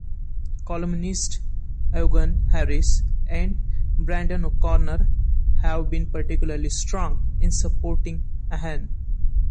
Columnists Eoghan Harris and Brendan O'Connor have been particularly strong in supporting Ahern.